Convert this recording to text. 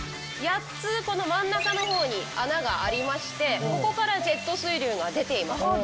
８つこの真ん中のほうに穴がありましてここからジェット水流が出ています。